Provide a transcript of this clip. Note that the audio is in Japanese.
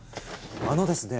あのですね